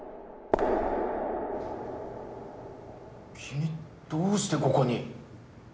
君どうしてここに？